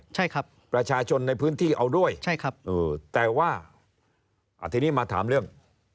ใช่ครับประชาชนในพื้นที่เอาด้วยใช่ครับเออแต่ว่าอ่าทีนี้มาถามเรื่อง